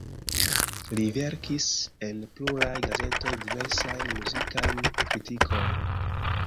Li verkis en pluraj gazetoj diversajn muzikajn kritikojn.